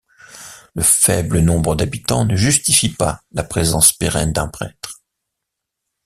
Le faible nombre d’habitants ne justifie pas la présence pérenne d’un prêtre.